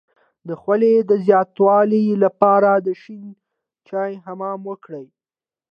د خولې د زیاتوالي لپاره د شنه چای حمام وکړئ